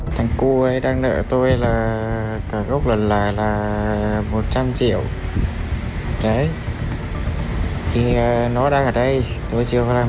ừ thằng cô ấy đang nợ tôi là cả gốc lần là là một trăm linh triệu đấy thì nó đang ở đây tôi chưa có làm